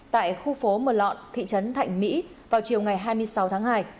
tại khu phố mờ lọn thị trấn thạnh mỹ vào chiều ngày hai mươi sáu tháng hai